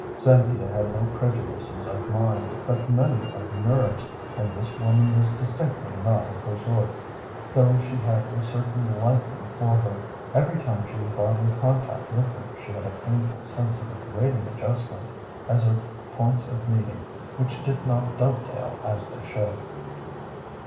Cynthia had no prejudices of mind, but many of nerves, and this woman was distinctly not of her sort, though she had a certain liking for her. Every time she was brought in contact with her she had a painful sense of a grating adjustment as of points of meeting which did not dovetail as they should.